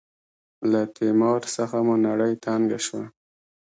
له تیمار څخه مو نړۍ تنګه شوه.